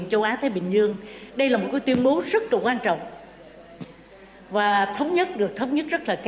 chủ tịch appf hai mươi sáu nhận định